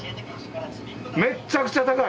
めっちゃくちゃ高い！